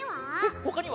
ほかには？